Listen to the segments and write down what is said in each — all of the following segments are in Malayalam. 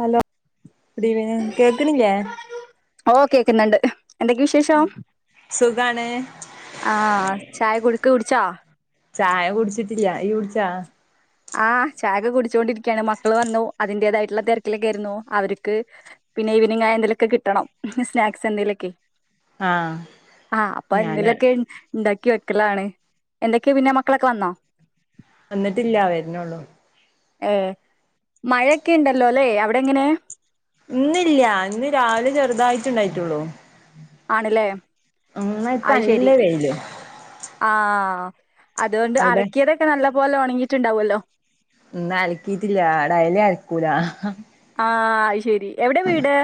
ഹലോ അടി വ കേക്കണില്ല ഓ കേക്കുന്നുണ്ട് എന്തൊക്കെയ വിശേഷം സുഖാണ് ആഹ ചായ കുടുക്ക് കുടിച്ചാ ചായ കുടിച്ചിട്ടില്ല ഈ വിടിച്ചാ ആഹ് ചായൊക്കെ കുടിച്ചുകൊണ്ടിരിക്കയാണ് മക്കൾ വന്നു അതിന്റേതായിട്ടുള്ള തിരക്കിലൊക്കെ ആയിരുന്നു അവർക്ക് പിന്നെ ഈവനിങ് ആ എന്തെേലുമൊക്കെ കിട്ടണം സ്നാക്സ് എന്തെങ്കലുമൊക്കെ ആഹ് ആഹ അപ്പൊ ഞാന് എന്തലൊക്കെ ഉണ്ടാക്കി മക്കളാണ് എന്തൊക്കെയ പിന്നെ മക്കളൊക്കെ വന്നോ എന്നന്നോളൂ ഏ മഴയൊക്കെ ഉണ്ടല്ലോ അല്ലെ അവിടെ എങ്ങനെ ഇന്നല്ല ഇന്ന് രാവിലെ ചെറുതായിട്ടുണ്ടായിട്ടുള്ളു ആണല്ലേ അത് നല്ല ശരി വെയില് ആ ആഹ അതുകൊണ്ട് അവിടെ അളക്കിയതൊക്കെ നല്ല പോലെ ഉണങ്ങിട്ട് ുണ്ടാവല്ലോ ഇന്ന് അലക്കിട്ടില്ല ആട അലേ അലക്കൂല ആഹ ശരി എവിടെ വീട്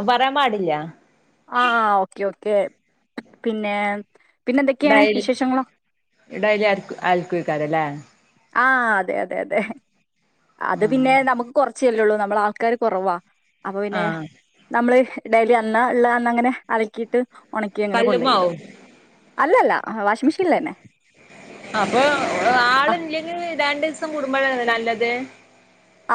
ഉ പറയാൻ പാടില്ല ആഹ ആ ഓക്കെ ഓ െ പിന്നെ എന്തൊക്കെയാണ് ഡൈലി വിശേഷങ്ങള് ഡയലി ആ ആൽക്കിക്കാതല്ലേ ആ അതെ അതെ അതെ അത് ആഹ് പിന്നെ നമുക്ക് കുറച്ചല്ലള്ളൂ നമ്മള ആൾക്കാാര് കുറവാ അപ്പൊ പിന്നെ ആഹ് നമ്മള് ഡെയിലി അന്ന് ഉള്ള അന്ന് അങ്ങനെ അലക്കിയിട്ട് ഉണക്കി അങ്ങനെ കൊണ്ടോയിടും കല്ലുമ്മാവും അല്ലല്ല ആഹ വാഷി്ഗ് മെഷീണി ത ന്നെ അപ്പൊ ആൾ ഇല്ലെങ്കിൽ രണ്ട്ു ദിവസം കടുമ്പോഴ നല്ലത്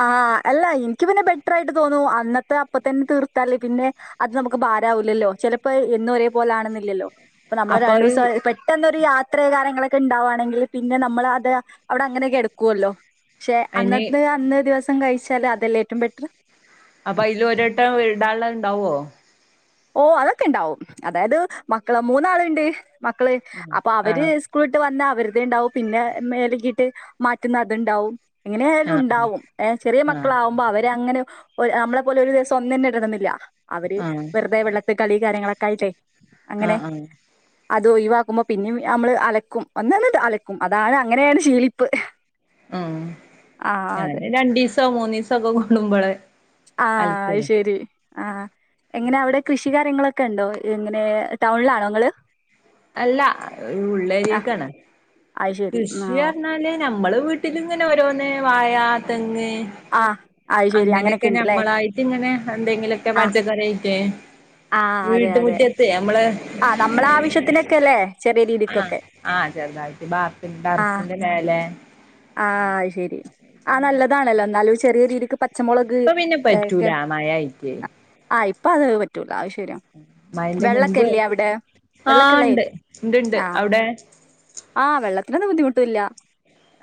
ആഹ അല്ല എനിക്ക് പിന്നെ ബെറ്റർ ആായിട്ട് തോന്നു അന്നത്തെ അപ്പ തന്നെ തീർത്താലേ പിന്നെ അത് നമുക്ക് ഭാരമാാവൂില്ലല്ലോ ചിലപ്പോ എന്നും ഒരേ പോലൊണെന്നില്ലല്ലോ ഇപ്പൊ നമ്മള് അപ്പൊ രണ്ടു അത് ദിവസം പെട്ടെന്നൊരു യാത്രയ കാര്യങ്ങളൊക്കെ ഒക്കെ ഉണ്ടാവാുകവാണെങ്കിൽ പിന്നെ നമ്മൾ അത് അവിടെ അങ്ങനെൊക്കെ കി ടക്കുവല്ലോ പക്ഷെ അയിന് അന്നത്തെ അന്ന് [inaudible] കഴിച്ചാല് അതെല്ലാം റ്റും ബെറ്റർ അപ്പൊ അതിൽ ഒരുവ ട്ടം ഇടാണ് ഉള്ളത് ണ്ടാവോ ഓ അതൊക്കെ ഇണ്ടാവും അതായത് മക്കള മൂന്നാളുണ്ട് മക്കള് അപ്പൊ അവര് ആഹ് സ്കൂളിട്ട് വന്ന വെറുതെ ഉണ്ടാവും പിന്നെ മേലക്കീട്ട് മാറ്റുന്ന അതുണ്ടാവും എങ്ങനൊയാലും ആഹ് ഉണ്ടാവുംഏ ചെറിയ ആഹ് മക്കളാാവുമ്പോ അവരെ അങ്ങനെ നമ്മളെ പോലെ ഒരു ദിവസം ഒന്നും തന്നെ ഇടുന്നില്ല അവര് മറ്റു കളി കാര്യങ്ങളൊക്കെയില്ലേ ആഹ ആഹ ഇത് ഒഴിവാക്കുമ്പോ പിന്നെ നമ്മള് അലക്കും ഒന്ന്ന്നി് അലക്കും അതാണ് അങ്ങനെയാണ് ശീലിപ്പ് ഉ ആ അതെ രണ്ടു ദിവസോ മൂന്ന ദിവസ രണ്ടോ മൂന്നോ ദിവസം കൊടുമ്പലേ ആഹ അ ശരി ആഹ എങ്ങനെ അവിടെ കൃഷി കാര്യങ്ങളൊക്കെ കാര്യങ്ങ ളോ ക്കെ ഉണ്ടോ എങ്ങനെ ടൗണിലാണോ ങ്ങള് അല്ല ഉള്ളേരി യെലാ ണ് അത് ശരി കൃഷി ആ പറഞ്ഞാല് നമ്മള് വീട്ടിലിങ്ങനെ ഓരോന്ന പിന്നെ വാഴാതെങ് ആഹ് അത് ശെരി അങ്ങനെയൊക്കെ ഇണ്ട്ല്ലേ. നമ്മളായിട്ട് ഇങ്ങനെ എന്തെങ്കിലൊക്കെ ആഹ് പച്ചക്കറിായിക്കെ വീട്ട മുറ്റത്തെ നമ്മള് ആ നമ്മളെ ആവശ്യത്തിനോക്കെ ആഹ ആഹ ചെറുതായിട്ട് ഭാർത്തിന്റെ ഡറസിന്റെ മേലെ ആ അത് ശെരി ആ നല്ലതാണല്ലോ ഒന്നാലോയ്ച്ച ചെറിയ രീതിക്ക് പച്ചമുളക് ഇപ്പൊ പിന്നെ പറ്റൂല മഴയായിട്ട് ഇപ്പൊ അത് പറ്റൂല അശ് മയന്റെ മുമ്പ് ആ വെള്ളക്കെള്ള ഇണ്ട് ഏരി ഇണ്ട് ണ്ട് അവടെ ആ വെള്ളത്തിനൊന്നും ബുദ്ധിമുട്ടില്ല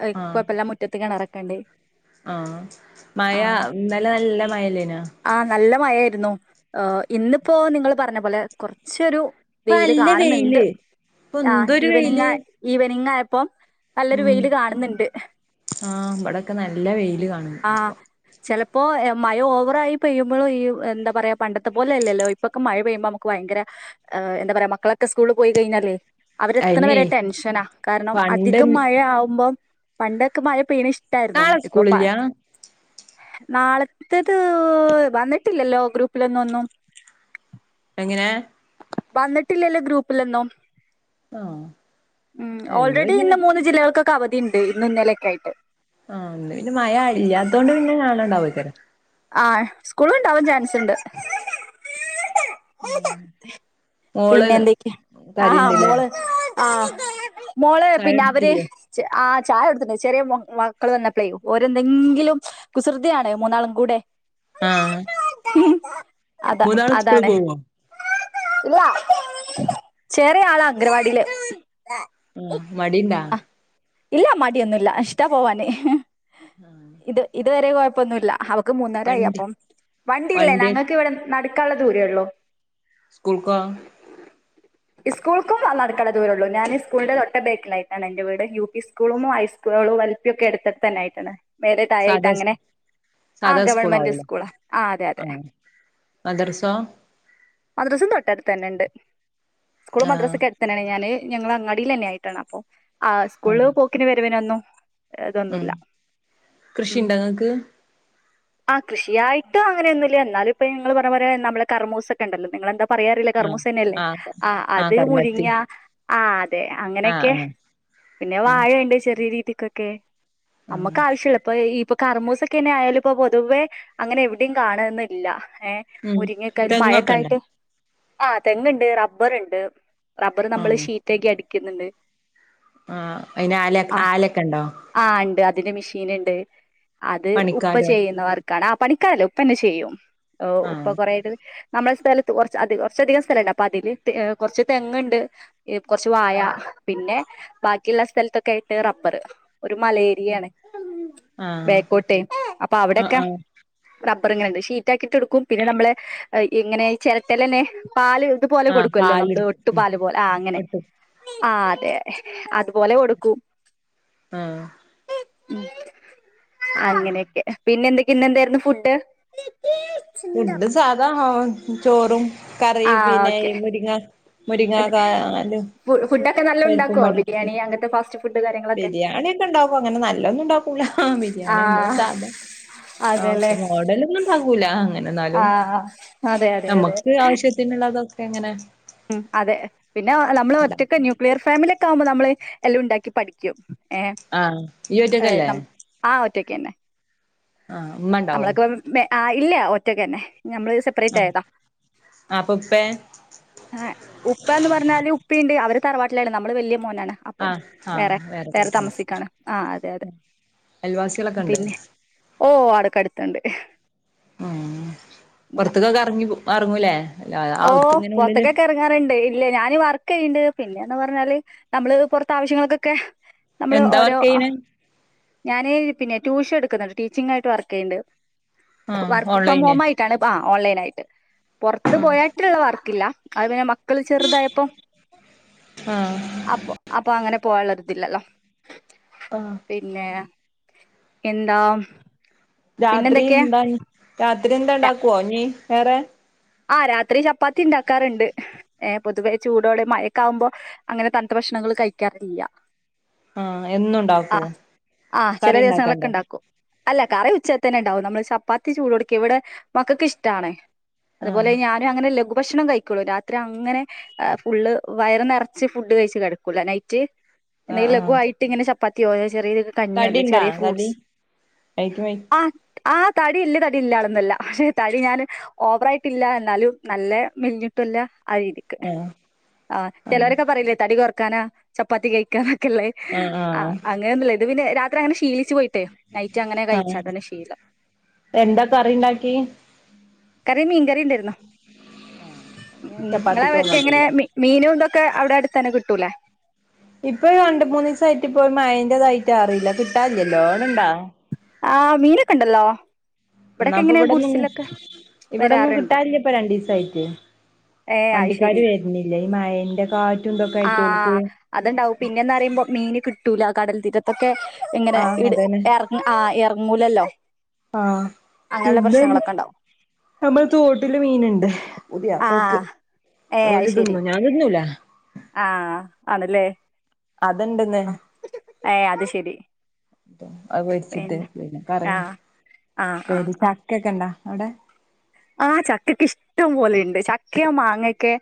ഏയ് കൊയ്പല്ല മുറ്റത്ത്‌ കെണറ് കണ്ടേ ആ മയ ഇന്നലെ നല്ല മയല്ലേന്നോ മയേര്ന്നു ഏ ഇന്നിപ്പോ നിങ്ങള് പറഞ്ഞ പോലെ കുറച്ചൊരു ഇപ്പ വെയില് നല്ല കാണ്ന്ന്ണ്ട് വെയില് ഇപ്പൊ ആ എന്തൊരു ഈവെനിംഗ് വെയില് ആയ ഈവെനിംഗ് ആയ ഇപ്പം നല്ലൊരു വെയില് കാണും ആ ഇബടൊക്കെ നല്ല വെയില് വന്നുക്ണ്പ്പൊ മയ ഓവറായി പെയ്യുമ്പൊളും ഈ എന്താ പറയാ പണ്ടത്തെ പോലെ അല്ലല്ലോ ഇപ്പൊക്കെ മയ പെയ്യുമ്പോ നമുക്ക് ഭയങ്കര എന്താ പറയാ മക്കളൊക്കെ സ്കൂളിൽ പോയി കഴിഞ്ഞാലേ അവരെത്ത്ണ അയിനെ വരെ ടെൻഷനാ കാരണം പണ്ട് അധികം മഴയാവുമ്പോ പണ്ടൊക്കെ മയ പെയ്യ്ണെഷ് നാളെ സ്കൂൾ ഇല്ല്യാ നാളത്തത് വന്നിട്ടില്ലല്ലോ ഗ്രൂപ്പിലൊന്നന്നും എങ്ങനെ വന്നിട്ടില്ലല്ലോ ഗ്രൂപ്പിലൊന്നും ആഹ് ഉം ഓൾറെഡി ഇന്ന് മൂന്ന് ജില്ലകൾക്കൊ ക്കെ അവധിണ്ട് ഇന്നും ഇന്നലെക്കെയായിട്ട് ആ ഇന്ന് പിന്നെ മയ ഇല്ലാത്തോണ്ട് പിന്നെ നാളെ ണ്ടാവേക്കാരം ആ സ്കൂള്ണ്ടാവാൻ ചൻസ്ണ്ട് മ് മോള് പിന്നെ കരേണ്ട്ലെ ഓ മോളെ പിന്നെ അവര് ആ ചായ കൊട്ത്‌ട്ട്ണ്ട് ചെറിയ മക്കള് വന്നപ്ലെ ഓരെന്തെങ്കിലും കുസൃതിയാണ് മൂന്നാളും കൂടെ ആഹ് അതാ മൂന്നാളും സ്കൂള് അതാണ് പോവോ ഇല്ല ചെറിയ ആളാ അംഗനവാടിയില് മ് മടിണ്ടാ ആ ഇല്ല മടിയൊന്നുംല്ല ഇഷ്ട പോവാന് ആഹ് ഇത് ഇതുവരെ കുഴപ്പമൊന്നുമില്ല അവക്ക് മൂന്നരായി അപ്പ വണ്ടില്ലേ വണ്ടി ഞങ്ങൾക്ക് ഇവിടെ നടുക്ക ക്കാ ഉള്ള ദൂരേ ഉള്ളൂ സ്കൂൾ കോ സ്കൂൾക്കും നടക്കണ ദൂരെ ഉള്ളൂ ഞാൻ സ്കൂളിന്റെ തൊട്ട ബേക്കിലായിട്ടാണ് എന്റെ വീട് യു പി സ്കൂളും ഹൈസ്കൂളുകളും എൽ പിയൊക്കെ അടുത്തടുത്തായിട്ടാണ് മേലെ സാധാ താഴെയായിട്ടങ്ങനെ ആഹ് സാധാ ഗവൺമെന്റ് സ്കൂളാവൂലേ സ്കൂൾ ആഹ് അതെ അതെ മദ്രസോ മദ്രസേം തൊട്ടടുത്ത് തന്നെ ഉണ്ട് സ്കൂൾ ആഹ് മദ്രസക്കടുത്തന്നെയാണ് ഞാന് ഞങ്ങളങ്ങാടിയിലന്നെ ആയിട്ടാണ് അപ്പൊ ആഹ് സ്കൂള്ള് പോക്കിന് വരവിനൊന്നു ഉം കൃഷിണ്ടങ്ങക്ക് ആഹ് കൃഷിയായിട്ട അങ്ങനൊന്നുമില്ല എന്നാല ഇപ്പൊ നിങ്ങള് പറയും പോലെ നമ്മളെ കർമൂസൊക്കെ ഉണ്ടല്ലോ നിങ്ങെന്താ പ പറയാറില്ല കർമൂസന്നയല്ലേ ആഹ് അത് മുരിങ്ങ ആഹ് അ അതെ ആഹ് അങ്ങനെയൊക്കെ ആഹ് പിന്നെ ആഹ് വാഴയുണ്ട് ചെറിയ രീതി ക്കക്കെ ആഹ് നമ്മുക്ക് ആവശ്യള്ളപ്പോ ഇ ഇപ്പോ കർമൂസൊക്കെന്നെ ആയാലും ഇപ്പൊ പൊതുവേ അങ്ങനെ എവിടയും കാണന്നില്ല ഏ ഉം മുരിങ്ങക്കാ ഒരു തെങ്ങൊക്കെണ്ടോ മഴയൊക്കായിട്ട് ആഹ് തെങ്ങുണ്ട് റബ്ബർണ്ട് റബ്ബറു നമ്മള് ആഹ് ഷീറ്റൊക്കെ അടിക്ക ക്കുന്നുണ്ട് ആഹ് അയിന് ആല ആലൊക്കെ ഉണ്ടോ ആ ഉണ്ട് അതിന്റെ മെഷീൻ ഉണ്ട് അത് ഉ പ്പ പണിക്കാരോ ചെയ്യുന്നവർക്കാണ് അ പണിക്കാല ഉപ്പന്നെ ചെയ്യും ഓ ഇപ്പൊ ആഹ് കൊറായിട്ടത് നമ്മള സ്ഥലത്ത് കുറ കുറച്ചധികം സ്ഥലണ്ട് അപ്പൊ അതില് കുറച്ച് തെങ്ങുണ്ട് കുറച്ച് വായ ആഹ് പിന്നെ ബാക്കിയുള്ള സ്ഥലത്തൊക്കെ ആയിട്ട് റബ്ബറ് ഒരു മലേരിയയാണ് ബേക്കോട്ടയും ആഹ ആഹ റബ്ബർ ഇങ്ങനെണ്ട്ഷീറ്റാക്കിയിട്ട് എടുക്കും പിന്നെ നമ്മള് ഇങ്ങനെ ചിരട്ടൽ തന്നെ പാല് ഇതുപോലെ ആഹ് കൊടുക്കുവല്ലോ നമ്മള് പാലെടുക്കും ഉം ഒട്ടുപാല് പോലെ ആ അങ്ങനെ വെട്ടും ആ അതെെ അതുപോലെ കൊടുക്കൂ ആഹ ഉം അങ്ങനെയൊക്കെ പിന്നെ എന്തൊക്കെയ എന്തായിരുന്നു ഫുഡ് ഉണ്ട് സാധാ ആ ചോറും കറി ആ പിന്നെ ഓക്കെ മുരിങ്ങ മുരിങ്ങ അതെ കാാലും ഫുഡൊക്കെ നല്ല പരിപ്പും ഉണ്ടാക്കുവോ പാടിട്ടിട്ട് ബിരിയാണി അങ്ങനത്തെ ഫാസ്റ്റ് ഫുഡ് കാര്യങ്ങളൊക്കെ ബിരിയാണി ഒക്കെ ഉണ്ടാക്കും അങ്ങനെ നല്ലൊന്നും ഉണ്ടാക്കൂല ആ ബിരിയാണി നമ്മള് സാധ ആ അതെല്ലേ മോഡലൊന്നുംണ്ടാകൂല ആ എന്നാലും അതെ അതെ അതെ നമുക്ക് ആവശ്യത്തിനുള്ളതൊ എങ്ങനെ ഉം അതെ പിന്നെ നമ്മള് ഒറ്റക്കെ ന്യൂക്ലിയർ ഫാമിലിയ ഒക്കെ ആകുമ്പോൾ നമ്മള് എല്ലാം ഉണ്ടാക്കി പഠിക്കും ഏ ആ ഇയ് ഒറ്റക്കല്ലേ ക്കന്നെ ആഹ് ഉമ്മ ഉണ്ടാവും ആ ഇല്ല ഒറ്റക്ക്ന്നെ നഞമ്മള് സെപ്പറേറ്റ് ആയതാ ആ അപ്പൊ ഉപ്പേ ഉപ്പന്ന് പറഞ്ഞാല് ഉപ്പുണ്ട് അവര് തറവാ ലാണ് നമ്മൾ വലിയ മോനാണ് ആ അപ്പം ആ വേറെ വേറെ പോയിട്ടുണ്ട് താമസിക്കാണ് ആ അതെ അതെ അയൽവാസികളൊക്കെ ഉണ്ട് പിന്നെ ഓ അടക്കടുത്തണ്ട് ഉ പുറത്തക്കൊക്കെ ഇറങ്ങി പോ മറങ്ങൂല്ലേ ഓ പുത്തൊക്കെക്ക ഇറങ്ങാറുണ്ട് ഇല്ല ഞാൻ വർക്ക് ചെയ്യുന്നുണ്ട് പിന്നെയന്ന് പറഞ്ഞാല് നമ്മള് പുറത്ത ആവശ്യങ്ങൾക്കൊക്കെ എന്താ വർക്ക് ചെയ്യുണ്ത് ഞാന്ൻ പിന്നെ ട്യൂഷൻ എടുക്കുന്നുണ്ട് ടീച്ചിങ്ങ ആയിട്ട് വർക്ക് ചെയ്യുന്നുണ്ട് ആഹ് വർക്ക് ഫ്രം ഓൺലൈന് ഹോം ആയിട്ടാണ് ആ ഓൺലൈൻ ആയിട്ട് ഇത് ബോയാട്ടിലുള്ള വർക്കില്ല അത് പിന്നെ മ മക്കൾ ചെറുതായപ്പം ആഹ് അപ്പൊ അപ്പൊ അങ്ങനെ പോകാൻ രുതില്ലല്ലോ ആഹ് പിന്നെ എന്താ രാത്രി പിന്നെന്തൊക്കെയാ എന്താനി രാ രാത്രി എന്താ ഉണ്ടാക്കുവോ ഇനി വേറെ ആഹ് രാത്രി ചപ്പാത്തി ഉണ്ടാക്കാറുണ്ട് ഏ പൊതുവേ ചൂടോടെ മയെക്കാവുമ്പോ അങ്ങനെ തൻത്ത ഭക്ഷണങ്ങൾ കഴിക്കാറില്ല ആ ആ എന്നുണ്ടാക്കുവോ ആ ചില കറി ദിവസങ്ങളിലൊക്കെ ഉണ്ടാക്കണ്ടെ ഉണ്ടാക്കും അല്ല കറി ഉച്ചതെന്നെ ഉണ്ടാവും നമ്മള് ചപ്പാത്തി ചൂടുടോക്കെ ഇവിടെ മക്കൾക്ക് ഇഷ്ടണ് ആഹ് അതുപോലെ ഞാനും അങ്ങനെല്ലെ ഭക്ഷണം കഴിക്കുള്ളൂ രാത്രി അങ്ങനെ ഫുള്ള് വയർ നിറച്ച് ഫുഡ് കഴിച്ച് കിടക്കൂല നൈറ്റ് ആഹ് എന്തെങ്കിലും ആഹ് ലഘുവയിട്ട് ഇങ്ങനെ ച പ്പത്തിയോ ചെറിയ രീതി കഞ്ഞിയോ അല്ലേ കടിണ്ടാ ചെറിയ കടി ഫ്രൂട്ട്സ് അയിക്ക് വൈ ആ ആഹ് തടിയില്ല തടി ഇല്ലാണന്നല്ല പക്ഷെ തടി ഞാൻ ഓവർ ആയിട്ടില്ല എന്നാലും നല്ല മെൽഞ്ഞിട്ടുല്ല ആ രീതിക്ക് ആഹ് ആഹ് ചിലവരൊക്കെ പറയില്ലേ തടി കൊറ ക്കാന ചപ്പാത്തി കഴിക്കാൻ [unintelligible] ആഹ് ആ ആഹ് അങ്ങനൊന്നില്ലാ ഇത് പിന്നെ ര അത്രയങ് ശീലി ആഹ് എന്താ കറി ഉണ്ടാക്കി കറി മീൻ കറീണ്ടാരുന്നു ഉം നിങ്ങൾ ചപ്പാത്തിക്ക് അതൊക്കെ എങ്ങനെ മതിയല്ലോ മീനുണ്ടോ ക്ക് അവിടെ അടുത്ത തന്നെ കിട്ടൂലേ ഇപ്പൊ രണ്ട് മൂന്ന് ദിവസയിട്ട്പ്പോ മയന്റെതായിട്ട് അറിയില്ല കിട്ടലില്ലാല്ലോ അടുണ്ടോ ആഹ് മീനൊക്കെ ഉണ്ടല്ലോ എന്നാ ഇവിടൊക്കെ അപ്പ ഇങ്ങനെ ഇവിടൊന്നും ഗുഡ്സിലൊക്കെ ഇവിടൊന്നും വരാറുണ്ട് കിട്ടാനില്ലപ്പൊ രണ്ടിസായിട്ട് ഏ അത് ശരി വണ്ടിക്കാര് വരുന്നില്ല ഈ മയെന്റെ കാ ആഹ് അതുണ്ടാവും പിന്നെന്ന് പറയുമ്പോ മീൻ കി കിട്ടുല്ല കടൽ തീരത്തൊക്കെ ഇങ്ങനെ ആഹ് ഇട് അതന്നെ ഏറ ആഹ് ഇറങ്ങൂലല്ലോ ആഹ് പിന്നെ ഉണ്ടാവും നമ്മൾ തോട്ടില് മീൻണ്ട് പുതിയാപ്ലിക്ക് ആഹ് ഏഹ് അത് ഓല് ശരി തിന്നും ഞാൻ തിന്നുലാ ആഹ് ആണല്ലേ അത്ണ്ടന്ന് ഏഹ് അത് ശരി അത് [unintelligible] പിന്നെ പറയും ആഹ് ആഹ് [unintelligible] ചക്ക ഒക്കെ ഇണ്ടാ അവിടെ [inaudible] ആഹ ചക്കക്ക് ഇഷ്ടം പോലുണ്ട് ചക്കയോ മാങ്ങക്കെ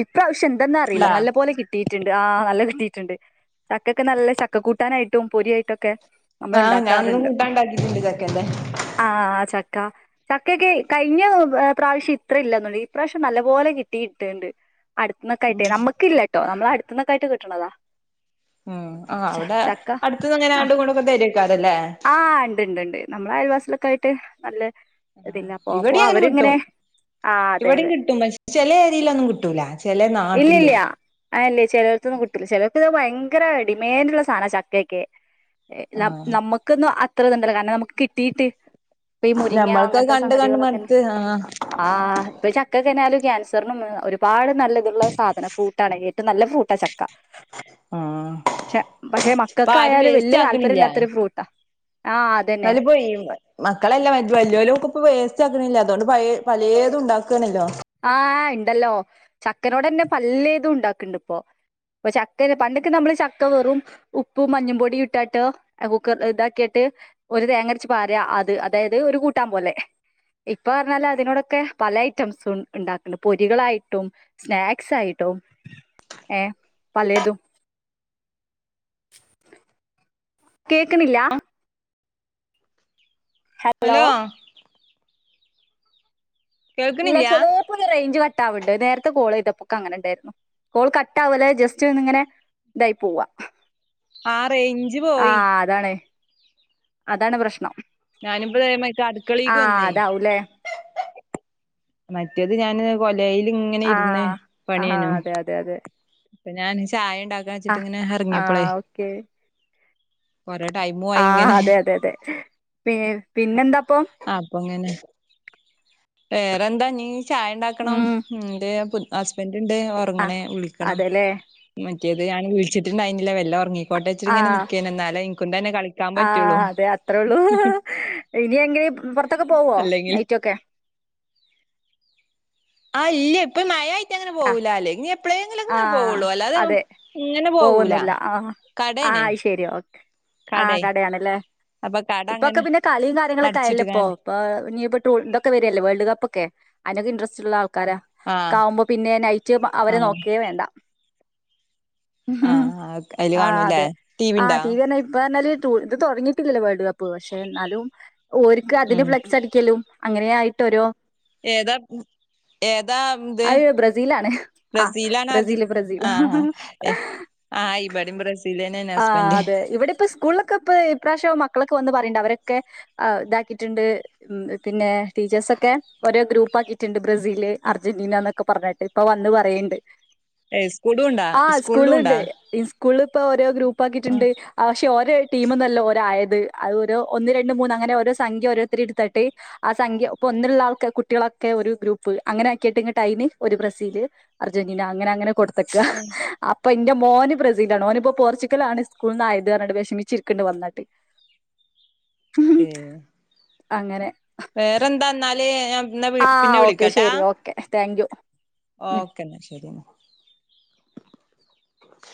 ഈ പ്രാവശ്യം ഇതന്ന അറിയില്ല ഇണ്ടാ നല്ല പോലെ കിട്ടിയിട്ടണ്ട് ആഹ നല്ല കിട്ടിട്ട് [unintelligible] ചക്ക ഒക്കെ നല്ല ചക്ക കൂട്ടാനായിട്ടും പൊരി ആയിട്ടും ഒക്കെ ആഹ് ഞാൻ ഇന്നു കൂട്ടാണ്ടാക്കിയിട്ടുണ്ട് ചക്കന്റെ [inaudible] [unintelligible] കഴിഞ്ഞ പ്രാവശ്യം ഇത്ര ഇല്ലന്നു [unintelligible] ഈ പ്രാവശ്യം നല്ല പോലെ കിട്ടിയിട്ടുണ്ട് ഉം അടുത്തന്നൊക്കെയിട്ടെ നമുക്ക് ഇല്ലാട്ടോ നമ്മള് [unintelligible] ക്കായിട്ട് കിട്ടണതാ ഉം ആ ച- അവിടെ ചക്ക അടുത്തന്ന് അങ്ങനെ ആഹ് ആണ്ടും [unintelligible] കൂടെ തരും ആഹ് ഉണ്ട്ണ്ട് ഉണ്ട് നമ്മള് അയൽവ [unintelligible] ക്കായിട്ട് നല്ല ഇതില്ല അപ്പൊ അപ്പൊ ഇവിടേയും അങ്ങനെ കിട്ടും അവരിങ്ങനെ ആഹ് അതെ ഇവിടെയും അതെ കിട്ടും പക്ഷെ ചെല ഏരിയലൊന്നും കിട്ടൂല ചെല നാട്ടില് ഇല്ലില്ല അല്ലേ ചിലർക്കൊന്നും കിട്ടില്ല ചിലർക്ക് ഭയങ്കര ഡിമാൻഡ് ഉള്ള സാധന ചക്കക്കെ [unintelligible] ന ന ആഹ് നമ്മുക്ക് [unintelligible] കാരണം നമുക്ക് കിട്ടീട്ട് ഇപ്പൊ ഈ മുരിങ്ങ നമ്മൾക്കത് അങ്ങനത്തെ കണ്ട് കണ്ട് സംഗതികളൊക്കെന്നെ മടുത്ത് ആ ഇപ്പൊ ച [unintelligible] ക്യാൻസറിനും ഒരുപാട് നല്ല ഇതുള്ള സാധനം ഫൂട്ടാണ് ഏറ്റവും നല്ല ഫൂട്ടാ ചക്ക ആഹ് പക്ഷെ പക്ഷെ ഇപ്പൊ മക്കൾക്ക് ആരും ആയാലും വേസ്റ്റ് വല്യ താല്പര്യം ആക്കണില്ല ഇല്ലാത്തൊരു ഫ്രൂട്ടാ ആഹ് അതന്നെ [unintelligible] മക്കളെല്ലാം വ [unintelligible] [unintelligible] അതുകൊണ്ട് പ പലേതും ഉണ്ടാക്കാണല്ലോ ആഹ ഉണ്ടല്ലോ ചക്കനോട് തന്നെ പല്യാതും ഉണ്ടാക്കണ്ട് ഇപ്പോ ഇപ്പൊ ചക്കെ പണ്ടക്കെ നമ്മള് ചക്ക വെറും ഉപ്പും മഞ്ഞപൊടി ഇട്ടാട്ടോ കുക്കർ ഇതാക്കിയിട്ട് ഒരു തേങ്ങരച്ച പാറ അത് അതായത് ഒരു കൂട്ടാൻ പോലെ ഇപ്പ പറഞ്ഞാല് അതിനോടൊക്കെ പല ഐറ്റംസും ഉണ്ടാക്കണ്ട് പൊരികളായിട്ടും സ്നാക്സ് ആയിട്ടും ഏ പലേതും [inaudible] കേക്കണില്ല [inaudible] ഹലോ ഇല്ല കേൾക്കണില്ല ചെലേപ്പോ ങ്ങനെ റേഞ്ച് കട്ട കാവണ്ട് നേരത്തെ കോൾ ഇതപ്പൊക്കെ അങ്ങനെ ഉണ്ടായിരുന്നു കോൾ കട്ട ആവലെ ജസ്റ്റ് ഒന്നിങ്ങനെ ഇതായി പോവാ ആ റേഞ്ച് ആ പോയി അതാണ് അതാണ് പ്രശ്നം ഞാനിപ്പയമായി ആ അടുക്കളിക്ക് വന്നേ അതാവൂലേ മറ്റേത് ഞാന് കൊ ലയില് ഇങ്ങനെ ആ ഇരുന്ന് ആ പണിയനു അതെ അതെ അതെ അപ്പ ഞാൻ ചായ ഉണ്ടാക്കാൻ ആ വെച്ചിട്ട് ഇങ്ങനെ ആ ഇറങ്ങിയപ്പോളേ ആഹ് അതെ അതെ അതെ പി പിന്നെന്താപ്പോ വേറെന്താനി ചായ ഉണ്ടാക്കണം [unintelligible] ഹസ്ബൻഡ് എണ്ട് ആ ഒരങ്ങന്നെ വിളിക്ക അതെല്ലേ? മറ്റേത് ഞൻ വീളിച്ചിട്ടുണ്ടായിനില്ല വല്ലം ഉറങ്ങി പ്പോട്ടോവച്ചിട്ടിങ്ങനെ നിക്കായിൻ [unintelligible] [unintelligible] ആഹ് അതെ അത്രേയള്ളൂ ഇനി എനിങ്കിലും പുറത്തൊക്കെ പോവോ അല്ലെങ്കിൽ നൈറ്റൊക്കെ ആഹ് ഇല്ല ഇപ്പൊ മഴയി ആഹ് ആഹ് പോവുള്ളൂ അല്ലാതെ അതെ ഇങ്ങനെ പോവൂല പോവൊന്നുമല്ല ആഹ് കടേണ് ആഹ് ശരി ഒക്കെ ആഹ് കടേ കടയാണല്ലേ അപ്പൊ കട ഇപ്പൊക്കെ അങ്ങനെ പിന്നെ കളിയും കാര്യങ്ങളൊക്കെ അയല്ലേ ഇപ്പോൊ അടച്ചിട്ട്ക്കാണ് ഇപ്പൊ ഇതൊക്കെ വരില്ലേ വേൾഡ് കപ്പ് ഒക്കെ അനക്ക് [unintelligible] ഉള്ള ക്കാര ആഹ് കവുമ്പോ പിന്നെ നൈറ്റ് അവരെ ആഹ് നോക്കെ വേണ്ട ഉം ആഹ് അയില് ആഹ് കാണൂല്ലേ അതെ ആഹ് ഇണ്ടാ ടി വി തന്നെ ഇപ്പ പറഞ്ഞല് ഇത് തുടങ്ങിട്ടില്ലവാട പക്ഷെ എന്നാലും ഓരിക്ക് അതിന് ഉം ഫ്ലക്സ് അടിക്കലും അങ്ങനെയിട്ടൊരു ഏതാ ഏതാ ഇത് അത് ബ്രസീലണ് ആഹ് ബ്രസീലാണോ അർജ ബ്രസീല് ബ്രസീൽ ആഹ് ആഹ് ആഹ് ഇബടിം ബ്രസീലെന്നേണ് ആഹ് ഹസ്ബന്റ് അതെ ഇവിടെ ഇപ്പ സ്കൂളിലൊക്കെ ഇപ്പ ഇപ്രാവശ്യ മക്കളൊക്കെ ഇപ്പോവാന്ന് പറണ്ട് അവരൊക്കെ ഇതാക്കിട്ടുണ്ട് ഉം പിന്നെ ടീച്ചേഴ്സ് ഒക്കെ ഒരു ഗ്രൂപ്പ് അക്കിട്ടുണ്ട് ബ്രസീൽ അർജന്റന എന്നക്കെ ഒക്കെ പറഞ്ഞിട്ട് ഇപ്പൊ വന്ന് പറയണ്ട് ഏഹ് സ്കൂളുണ്ടാ ആഹ് സ്കൂളി സ്കൂളിലുണ്ടാ ഈ സ്കൂളില് പുതിയ ഗ്രുപ്പ് ആഹ് ഉപ്പാക്കിട്ടുണ്ട് പക്ഷെ ഓരോ ടീമന്നല്ലോ ഒരായത് അത്ഓരോ ഒന്ന് രണ്ട് മൂന്ന് അങ്ങനെ ഓരോ സംഖ്യ [unintelligible] എടുത്തിട്ട് ആഹ് സംഖ്യ ഇപ്പ ഒുള്ള ആൾക്ക് കുട്ടികളൊക്കെ ഒരു ഗ്രൂപ്പ് അങ്ങനെ ആക്കിയിട്ട് [unintelligible] ഒരു ബ്രസീല് അർജറ്റിനാ അങ്ങനെ അങ്ങനെ കൊടു എത്തക്ക ആഹ് അപ്പ ഇന്റെ മോന് ബ്രസീലാണ് ോന്പ്പോ പോർച്ചുഗല ആണ് സ്കൂള നിന്ന് ആയത്ുകട്ട് വിഷമിച്ചിരിക്കേണ്ടണ്ട് വന്നിട്ട് ഏ അങ്ങനെ വേറെന്താന്നാല ഞ ആ ഓക്കെ ശെരി ഓക്കെ താങ്ക് യു ഓക്കേെന്നാ ശരിെന്നാ